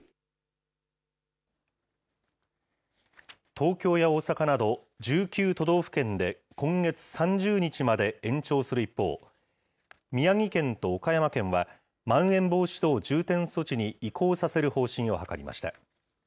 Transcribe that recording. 東京や大阪など、１９都道府県で今月３０日まで延長する一方、宮城県と岡山県は、まん延防止等重点措置に移行させる方針を諮りました。